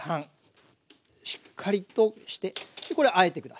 しっかりとしてでこれあえて下さい。